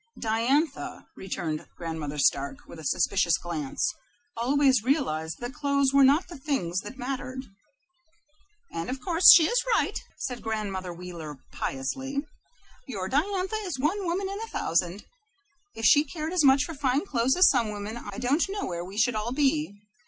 "Diantha," returned Grandmother Stark, with a suspicious glance, "always realized that clothes were not the things that mattered." "And, of course, she is right," said Grandmother Wheeler, piously. "Your Diantha is one woman in a thousand. If she cared as much for fine clothes as some women, I don't know where we should all be.